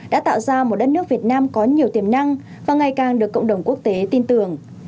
đã tạo ra một đất nước việt nam có nhiều tiềm năng và ngày càng được cộng đồng quốc tế tin tưởng